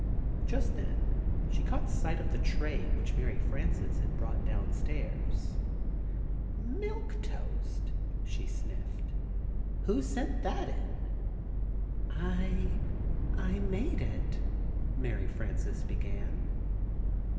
Just then, she caught sight of the tray which Mary Frances had brought downstairs. "Milk Toast," she sniffed. "Who sent that in?" "I I made it," Mary Frances began.